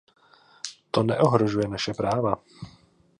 To neohrožuje naše práva.